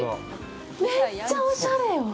めっちゃおしゃれよ。